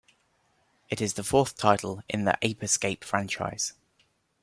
It is the fourth title in the "Ape Escape" franchise.